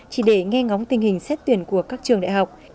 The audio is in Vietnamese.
chỉ để nghe ngóng tình hình xét tuyển của các trường đại học